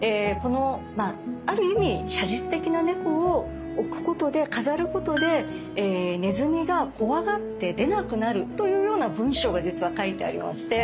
まあある意味写実的な猫を置くことで飾ることでねずみが怖がって出なくなるというような文章が実は書いてありまして。